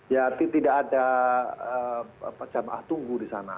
ya tidak ada pecah mahatunggu di sana